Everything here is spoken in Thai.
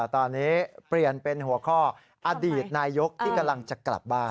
ตอนนี้เปลี่ยนเป็นหัวข้ออดีตนายกที่กำลังจะกลับบ้าน